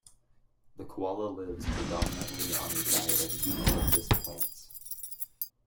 The koala lives predominantly on a diet of eucalyptus plants.